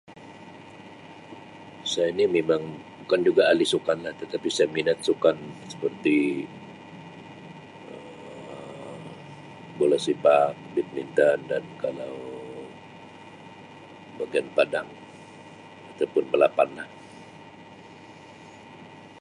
Saya ni mimang bukan juga ahli sukanlah tetapi saya minat sukan seperti Um bola sepak, badminton dan kalau bahagian padang atau pun balapan lah.